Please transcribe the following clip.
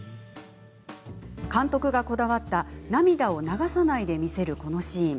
監督がこだわった涙を流さないで見せるこのシーン。